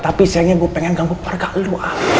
tapi sayangnya gue pengen ganggu keluarga lu